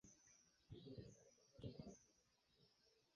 কিন্তু ক্ষমতা ছাড়তে নারাজ ছিলেন তিনি।